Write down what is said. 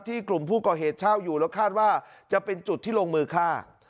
กลุ่มผู้ก่อเหตุเช่าอยู่แล้วคาดว่าจะเป็นจุดที่ลงมือฆ่า